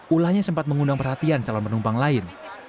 ulahnya sempat mengundang perhatian calon penumpang lain